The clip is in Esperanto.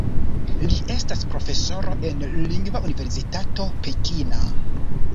Li estas profesoro en Lingva Universitato Pekina.